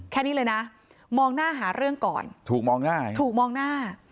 แค่นี้เลยนะมองหน้าหาเรื่องก่อนถูกมองหน้าถูกมองหน้า